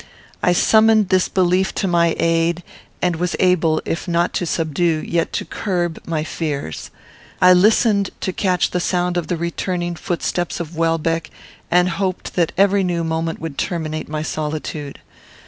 I summoned this belief to my aid, and was able, if not to subdue, yet to curb, my fears. I listened to catch the sound of the returning footsteps of Welbeck, and hoped that every new moment would terminate my solitude.